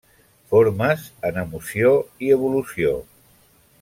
Formes en emoció i evolució.